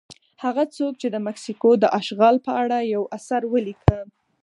هغه څوک چې د مکسیکو د اشغال په اړه یو اثر ولیکه.